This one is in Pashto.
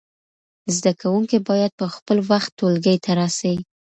زده کوونکي باید په خپل وخت ټولګي ته راسی.